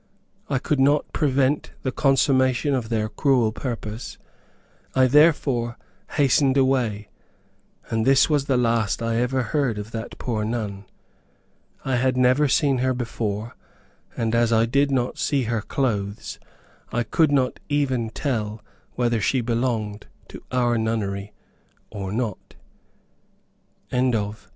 I could not prevent the consummation of their cruel purpose; I therefore hastened away, and this was the last I ever heard of that poor nun. I had never seen her before, and as I did not see her clothes, I could not even tell whether she belonged to our nunnery or not. CHAPTER X.